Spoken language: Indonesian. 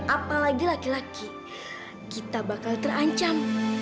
apalagi laki laki kita bakal terancam